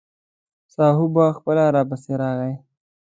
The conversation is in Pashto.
ساهو به خپله راپسې راغی.